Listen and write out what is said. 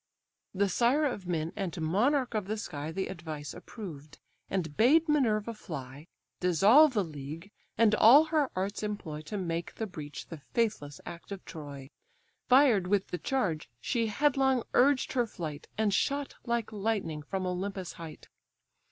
The sire of men and monarch of the sky The advice approved, and bade Minerva fly, Dissolve the league, and all her arts employ To make the breach the faithless act of Troy. Fired with the charge, she headlong urged her flight, And shot like lightning from Olympus' height.